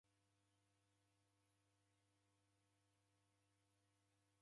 Kesho kunikumbushe nikuenje